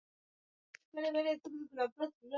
inayofanana na hiyo ya libya na nchi kama cote de voire